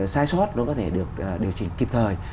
sai sót nó có thể được điều chỉnh kịp thời